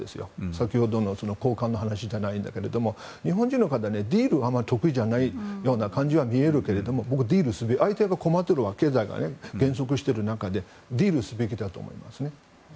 先ほどの高官の話じゃないですが日本企業はディールが得意じゃない感じがしますが相手が困っている経済が減速している中でディールすべきだと思います。